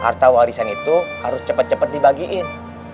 harta warisan itu harus cepet cepet dibagiin